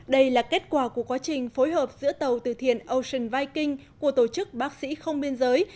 đây là kết quả của quá trình phối hợp giữa tàu từ thiện ocean viking của tổ chức bác sĩ không biên giới